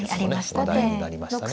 話題になりましたね。